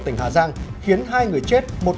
tỉnh hà giang khiến hai người chết một